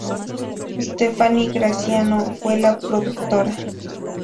Stephanie Graziano fue la productora.